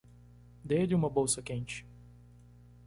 Dê-lhe uma bolsa quente